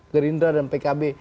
gerindra dan pkb